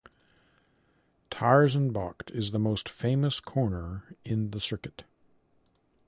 Tarzanbocht is the most famous corner in the circuit.